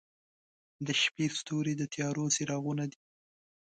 • د شپې ستوري د تیارو څراغونه دي.